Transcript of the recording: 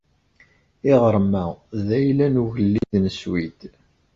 Iɣrem-a d ayla n ugellid n Sswid.